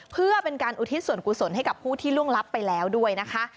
เพื่อเป็นการอุทิศส่วนกุศลให้กับผู้ที่ล่วงลับไปแล้วด้วยนะคะ